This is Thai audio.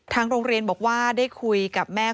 โรงเรียนบอกว่าได้คุยกับแม่